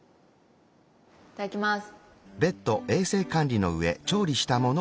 いただきます。